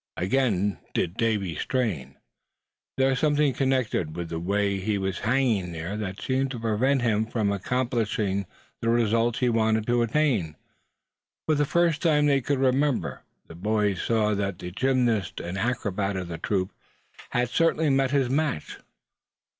Again did Davy strain. There was something connected with the way he was hanging there that seemed to prevent him from accomplishing the result he wanted to attain. For the first time they could remember the boys saw that the gymnast and acrobat of the troop had certainly met his match.